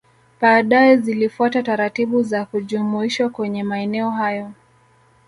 Baadae zilifuata taratibu za kujumuishwa kwenye maeneo hayo